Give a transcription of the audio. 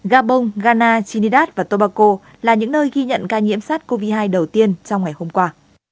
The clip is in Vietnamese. gabon ghana chinidas và tobaco là những nơi ghi nhận ca nhiễm sars cov hai đầu tiên trong ngày hôm qua